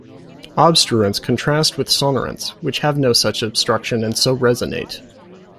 Obstruents contrast with sonorants, which have no such obstruction and so resonate.